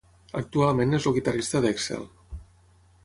Actualment és el guitarrista d'Excel.